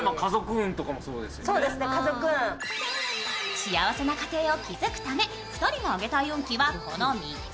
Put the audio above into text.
幸せな家庭を築くため２人が上げたい運気はこの３つ。